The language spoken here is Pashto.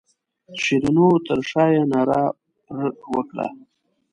شیرینو تر شایه ناره پر وکړه.